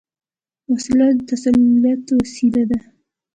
وسله د تسلط وسيله ده